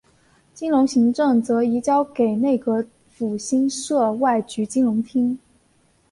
金融行政则移交给内阁府新设外局金融厅。